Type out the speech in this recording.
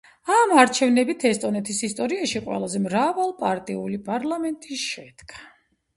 ამ არჩევნებით ესტონეთის ისტორიაში ყველაზე მრავალპარტიული პარლამენტი შედგა.